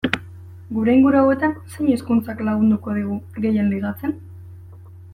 Gure inguru hauetan, zein hizkuntzak lagunduko digu gehien ligatzen?